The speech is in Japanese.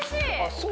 そう